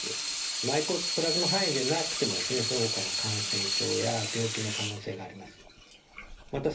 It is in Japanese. マイコプラズマ肺炎でなくてもですねそのほかの感染症や病気の可能性があります。